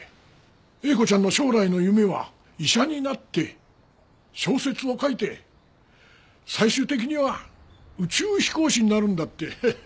英子ちゃんの将来の夢は医者になって小説を書いて最終的には宇宙飛行士になるんだって。